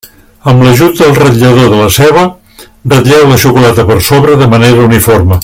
Amb l'ajut del ratllador de la ceba, ratlleu la xocolata per sobre de manera uniforme.